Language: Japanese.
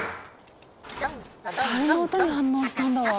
たるの音に反応したんだわ。